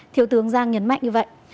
thiếu tướng giang nhấn mạnh như vậy